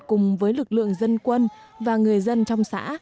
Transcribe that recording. cùng với lực lượng dân quân và người dân trong xã